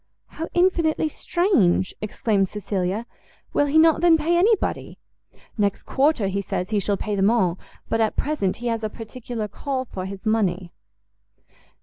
"How infinitely strange!" exclaimed Cecilia; "will he not, then, pay anybody?" "Next quarter, he says, he shall pay them all, but, at present, he has a particular call for his money."